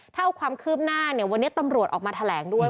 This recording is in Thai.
เท่าความคืบหน้าวันนี้ตำรวจออกมาแถลงด้วย